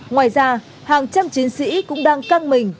ngoài ra hàng trăm chiến sĩ cũng đang căng mình